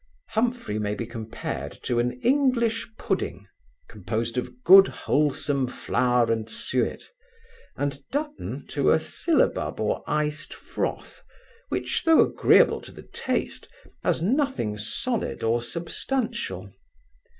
Humphry may be compared to an English pudding, composed of good wholesome flour and suet, and Dutton to a syllabub or iced froth, which, though agreeable to the taste, has nothing solid or substantial.